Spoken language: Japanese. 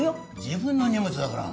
自分の荷物だから。